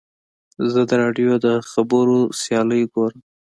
زه د راډیو د خبرو سیالۍ ګورم.